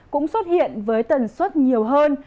cũng xuất hiện với tần suất nhiều hơn